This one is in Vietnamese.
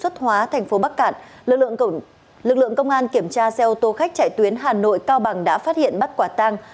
các xe ô tô khách chạy tuyến hà nội cao bằng đã phát hiện bắt quả tang